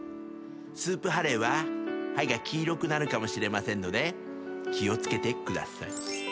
スープ歯レーは歯が黄色くなるかもしれませんので気を付けてください。